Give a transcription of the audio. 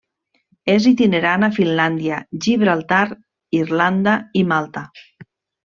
És itinerant a Finlàndia, Gibraltar, Irlanda i Malta.